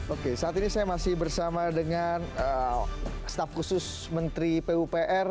oke saat ini saya masih bersama dengan staf khusus menteri pupr